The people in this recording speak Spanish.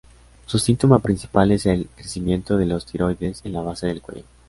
Su síntoma principal es el crecimiento de la tiroides, en la base del cuello.